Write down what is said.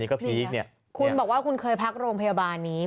คุณบอกว่าคุณเคยพักโรงพยาบาลนี้